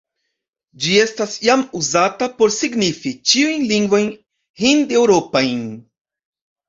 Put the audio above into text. Ĝi estas iam uzata por signifi ĉiujn lingvojn hind-eŭropajn.